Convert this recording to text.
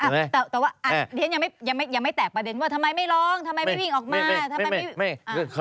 แต่ว่าเรียนยังไม่แตกประเด็นว่าทำไมไม่ร้องทำไมไม่วิ่งออกมา